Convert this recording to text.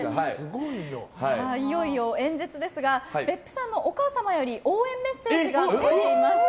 いよいよ演説ですが別府ちゃんのお母様より応援メッセージが届いています。